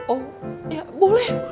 oh ya boleh